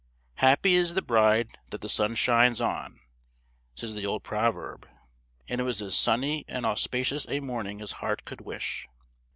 "Happy is the bride that the sun shines on," says the old proverb; and it was as sunny and auspicious a morning as heart could wish.